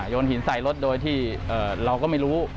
โยนหินใส่รถโดยที่เราก็ไม่รู้